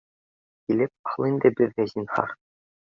Килеп ал инде беҙҙе, зинһар.